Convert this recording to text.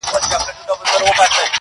• څوک وایي گران دی، څوک وای آسان دی.